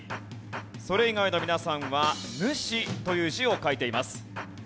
それ以外の皆さんは「主」という字を書いています。